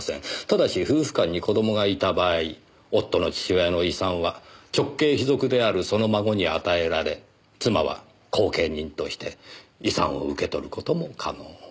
ただし夫婦間に子供がいた場合夫の父親の遺産は直系卑属であるその孫に与えられ妻は後見人として遺産を受け取る事も可能。